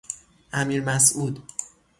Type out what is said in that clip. امیرمسعود